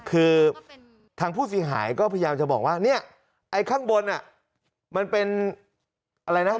คือทางผู้เสียหายก็พยายามจะบอกว่าเนี่ยไอ้ข้างบนมันเป็นอะไรนะ